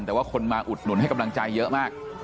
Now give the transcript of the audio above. แต่ว่าคนมาอุดหนุนให้กำลังใจเยอะมาก